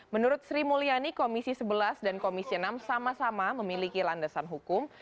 menurut sri mulyani komisi sebelas dan komisi enam sama sama memiliki landasan hukum